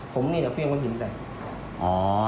ผมนี่เดี๋ยวพี่เอาคนหินใส่